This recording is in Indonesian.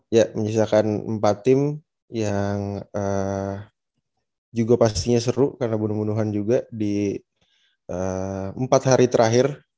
ya menyisakan empat tim yang juga pastinya seru karena bunuhan bunuhan juga di empat hari terakhir